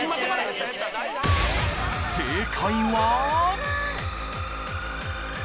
正解は？